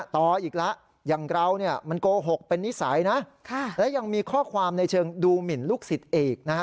ต่ออีกแล้วอย่างเราเนี่ยมันโกหกเป็นนิสัยนะและยังมีข้อความในเชิงดูหมินลูกศิษย์อีกนะฮะ